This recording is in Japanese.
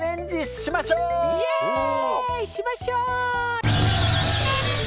しましょう！